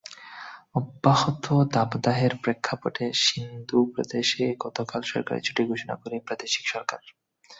অব্যাহত দাবদাহের প্রেক্ষাপটে সিন্ধু প্রদেশে গতকাল সরকারি ছুটি ঘোষণা করে প্রাদেশিক সরকার।